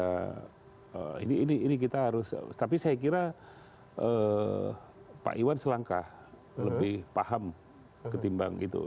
nah ini kita harus tapi saya kira pak iwan selangkah lebih paham ketimbang itu